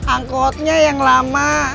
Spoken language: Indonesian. angkotnya yang lama